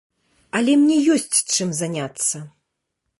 Але мне ёсць чым заняцца.